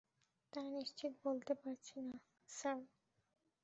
তা নিশ্চিত বলতে পারছি না, স্যার।